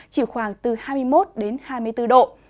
chỉ khoảng từ hai mươi một đến hai mươi bốn độ